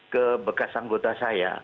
ke bekas anggota saya